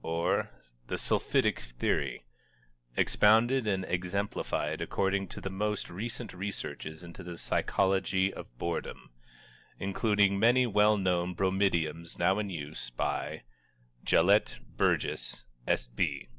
OR, THE SULPHITIC THEORY EXPOUNDED AND EXEMPLIFIED ACCORDING TO THE MOST RECENT RESEARCHES INTO THE PSYCHOLOGY OF BOREDOM Including many well known Bromidioms now in use BY GELETT BURGESS, S.B.